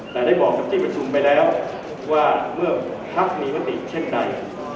แต่ได้บอกกับที่ประชุมไปแล้วว่าเมื่อพักมีมติเช่นใด